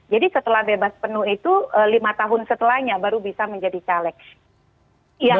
jadi setelah bebas penuh itu lima tahun setelahnya baru bisa menjadi caleg